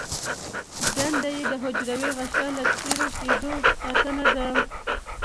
دنده یې د حجروي غشا له څیرې کیدو ساتنه ده.